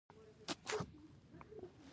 د فراه په انار دره کې د ګرانیټ کان شته.